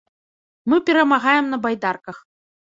Мы перамагаем на байдарках.